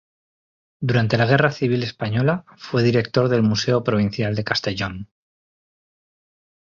Durante la guerra civil española fue director del museo provincial de Castellón.